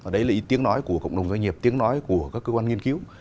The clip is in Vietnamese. đấy là tiếng nói của cộng đồng doanh nghiệp tiếng nói của các cơ quan nghiên cứu